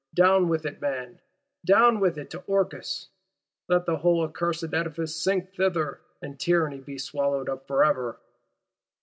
Down with it, man; down with it to Orcus: let the whole accursed Edifice sink thither, and Tyranny be swallowed up for ever!